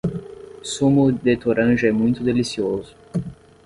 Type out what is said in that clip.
Sumo de toranja é muito delicioso